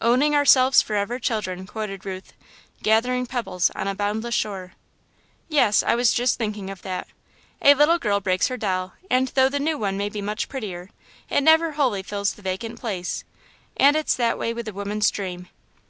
"'Owning ourselves forever children,' quoted Ruth, "'gathering pebbles on a boundless shore.'" "Yes, I was just thinking of that. A little girl breaks her doll, and though the new one may be much prettier, it never wholly fills the vacant place, and it's that way with a woman's dream."